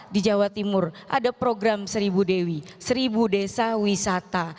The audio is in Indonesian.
di jawa timur ada program seribu dewi seribu desa wisata